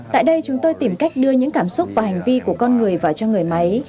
tại đây chúng tôi tìm cách đưa những cảm xúc và hành vi của con người vào cho người máy